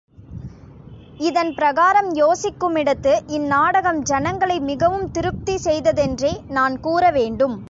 இதன் பிரகாரம் யோசிக்குமிடத்து இந் நாடகம் ஜனங்களை மிகவும் திருப்தி செய்ததென்றே நான் கூற வேண்டும்.